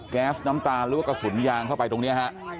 แก๊สน้ำตาลหรือว่ากระสุนยางเข้าไปตรงนี้ฮะ